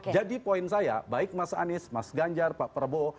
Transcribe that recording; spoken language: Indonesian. poin saya baik mas anies mas ganjar pak prabowo